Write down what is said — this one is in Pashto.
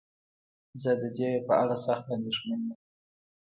زه ددې په اړه سخت انديښمن يم.